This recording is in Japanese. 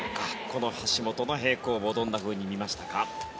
この橋本の平行棒どんなふうに見ましたか？